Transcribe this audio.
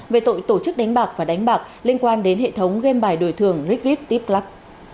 về tội tổ chức đánh bạc và đánh bạc liên quan đến hệ thống game bài đổi thường rigvip tiplub